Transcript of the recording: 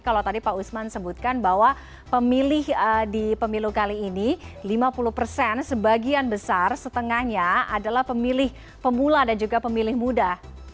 kalau tadi pak usman sebutkan bahwa pemilih di pemilu kali ini lima puluh persen sebagian besar setengahnya adalah pemilih pemula dan juga pemilih muda